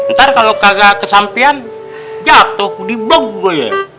ntar kalau kagak kesampian jatuh di blok gua ya